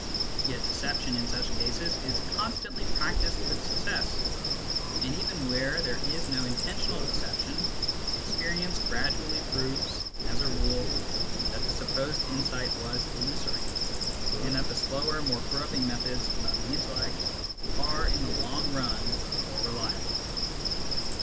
Yet deception in such cases is constantly practised with success ; and even where there is no intentional deception, experience gradually proves, as a rule, that the supposed insight was illusory, and that the slower more groping methods of the intellect are in the long run more reliable.